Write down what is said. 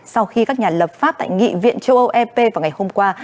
sau khi các nhà lập pháp tại nghị viện châu âu ep vào ngày hôm qua